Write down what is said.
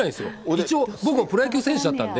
一応、僕もプロ野球選手だったんで。